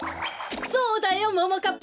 そうだよももかっぱ。